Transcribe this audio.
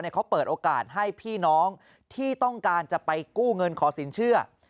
เขาเปิดโอกาสให้พี่น้องที่ต้องการจะไปกู้เงินขอสินเชื่อ